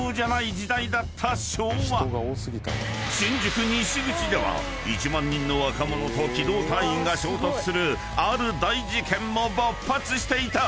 ［新宿西口では１万人の若者と機動隊員が衝突するある大事件も勃発していた！］